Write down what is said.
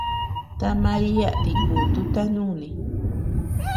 Ta Maria dikututa nuni.